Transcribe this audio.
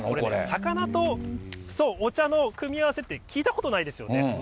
魚と、そう、お茶の組み合わせって聞いたことないですよね。